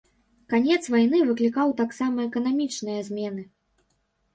Канец вайны выклікаў таксама эканамічныя змены.